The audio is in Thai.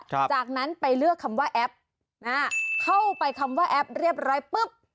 จากนั้นไปเลือกคำว่าแอปนะฮะเข้าไปคำว่าแอปเรียบร้อยปุ๊บ